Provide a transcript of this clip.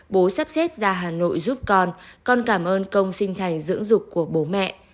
bố sắp xếp ra hà nội giúp con con cảm ơn công sinh thành dưỡng dục của bố mẹ